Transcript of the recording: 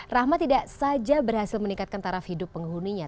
rahmat tidak saja berhasil meningkatkan taraf hidup penghuninya